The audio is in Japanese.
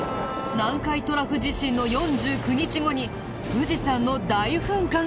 南海トラフ地震の４９日後に富士山の大噴火が起きたんだ。